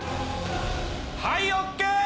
はいＯＫ！